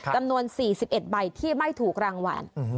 จำนวน๔๑ใบที่ไม่ถูกรางวัล